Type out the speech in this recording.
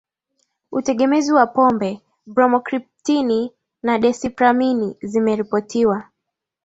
utegemezi wa pombe Bromokriptini na desipramini zimeripotiwa